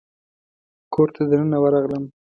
کور ته دننه ورغلم.